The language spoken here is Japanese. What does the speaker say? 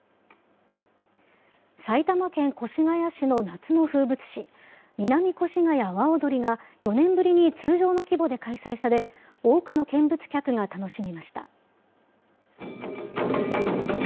埼玉県越谷市の夏の風物詩、南越谷阿波踊りが、４年ぶりに通常の規模で開催され、多くの見物客が楽しみました。